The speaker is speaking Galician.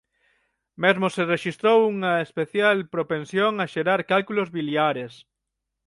Mesmo se rexistrou unha especial propensión a xerar cálculos biliares.